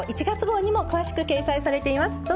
１月号にも詳しく掲載されています。